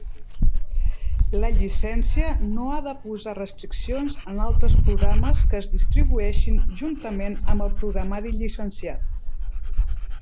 La llicència no ha de posar restriccions en altres programes que es distribueixin juntament amb el programari llicenciat.